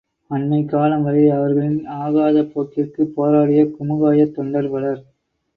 அண்மைக் காலம் வரை அவர்களின ஆகாத போக்கிற்குப் போராடிய குமுகாயத் தொண்டர் பலர்.